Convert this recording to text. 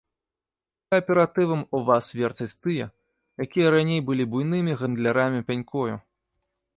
Кааператывам у вас верцяць тыя, якія раней былі буйнымі гандлярамі пянькою.